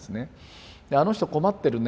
あの人困ってるね。